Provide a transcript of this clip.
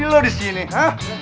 jadi lo di sini hah